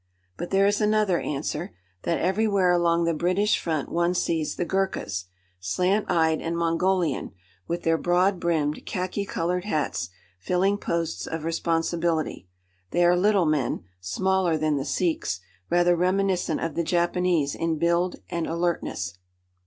But there is another answer that everywhere along the British front one sees the Ghurkas, slant eyed and Mongolian, with their broad brimmed, khaki coloured hats, filling posts of responsibility. They are little men, smaller than the Sikhs, rather reminiscent of the Japanese in build and alertness.